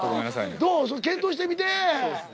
どう？検討してみて。